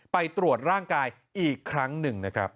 ไปตรวจร่างกายอีกครั้งหนึ่งนะครับ